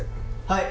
はい！